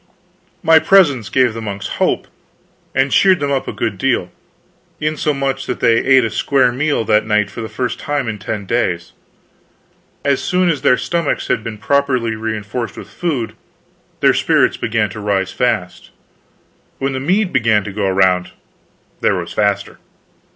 My presence gave the monks hope, and cheered them up a good deal; insomuch that they ate a square meal that night for the first time in ten days. As soon as their stomachs had been properly reinforced with food, their spirits began to rise fast; when the mead began to go round they rose faster.